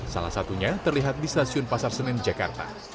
salah satunya terlihat di stasiun pasar senen jakarta